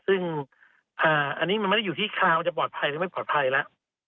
อันนี้มันก็ไม่อยู่ที่คลาวจะปลอดภัยหรือไม่ปลอดภัยละ